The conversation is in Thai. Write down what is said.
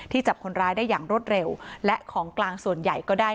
จับคนร้ายได้อย่างรวดเร็วและของกลางส่วนใหญ่ก็ได้